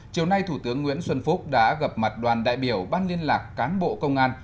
chiều nay thủ tướng nguyễn xuân phúc đã gặp mặt đoàn đại biểu ban liên lạc cán bộ công an